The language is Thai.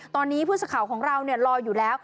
ตอนนี้ผู้สื่อข่าวของเรารออยู่แล้ว